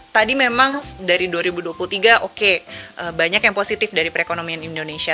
tadi memang dari dua ribu dua puluh tiga oke banyak yang positif dari perekonomian indonesia